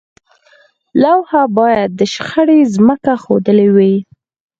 لوحه باید د شخړې ځمکه ښودلې وي.